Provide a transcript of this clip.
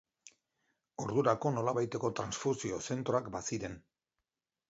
Ordurako nolabaiteko transfusio zentroak baziren.